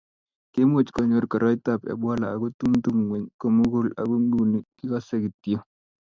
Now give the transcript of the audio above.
kimuch konyo koroitab ebola aku tumtum ng'ony ko mugul aku nguni kikosei kityo